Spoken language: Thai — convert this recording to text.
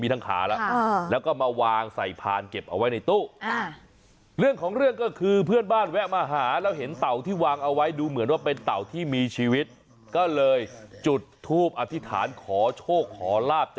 เต่าเรือนเท่านั้นแหละครับเป็นยังไงฮะดังเลยครับ